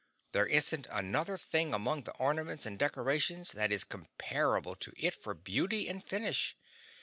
There isn't another thing among the ornaments and decorations that is comparable to it for beauty and finish.